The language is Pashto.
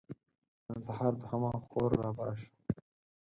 نن سهار دوهمه خور رابره شوه.